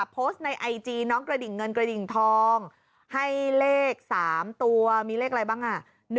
โพสต์ในไอจีน้องกระดิ่งเงินกระดิ่งทองให้เลข๓ตัวมีเลขอะไรบ้างอ่ะ